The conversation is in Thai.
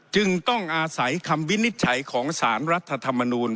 จึงต้องอาศัยคำวินิจฉัยของสารรัฐธรรมนูล